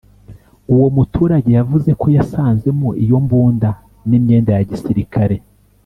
Uwo muturage yavuzeko yasanzemo iyo mbunda n’imyenda ya gisirikare